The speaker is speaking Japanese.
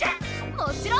もちろん。